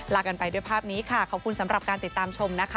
ลากันไปด้วยภาพนี้ค่ะขอบคุณสำหรับการติดตามชมนะคะ